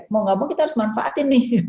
mau gak mau kita harus manfaatin nih